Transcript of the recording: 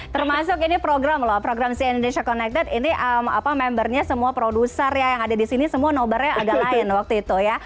termasuk ini program loh program si indonesia connected ini membernya semua produser ya yang ada di sini semua nobarnya agak lain waktu itu ya